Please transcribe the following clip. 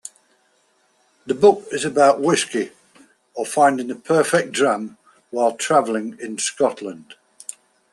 The book is about whisky, or finding the perfect dram while travelling in Scotland.